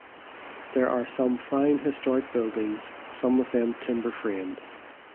There are some fine historic buildings, some of them timber-framed.